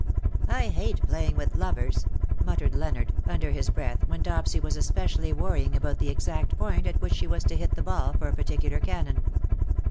" I hate playing with lovers,^^ muttered Leonard, under his breath, when Dopsy was especially worrying about the exact point at which she was to hit the ball for a particular cannon.